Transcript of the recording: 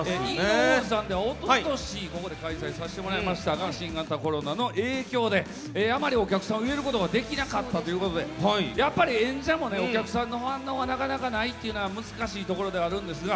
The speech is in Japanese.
イイノホールさんではおととし、ここで開催させてもらいましたが新型コロナの影響であまりお客さんを入れることができなかったということで演者もお客さんの反応がなかなかないというのは難しいところではあるんですが。